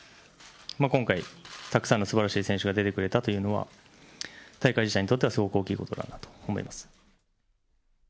今回、たくさんのすばらしい選手が出てくれたというのは、大会自体にとってはすごい大きいことだなと思います。